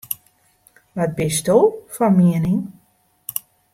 Wat bisto fan miening?